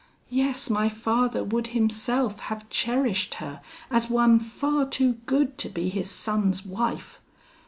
Yes, my father would himself have cherished her as one far too good to be his son's wife!